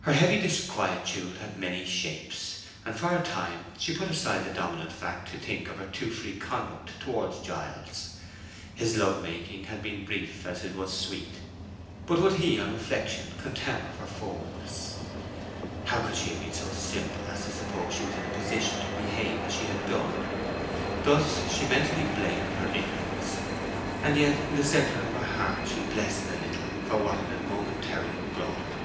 Her heavy disquietude had many shapes; and for a time she put aside the dominant fact to think of her too free conduct towards Giles. His love making had been brief as it was sweet; but would he on reflection contemn her for forwardness? How could she have been so simple as to suppose she was in a position to behave as she had done! Thus she mentally blamed her ignorance; and yet in the centre of her heart she blessed it a little for what it had momentarily brought her.